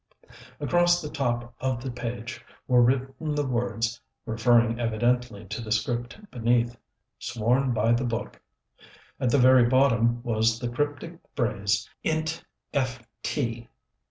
Across the top of the page were written the words, referring evidently to the script beneath, "Sworn by the Book." At the very bottom was the cryptic phrase "int F. T."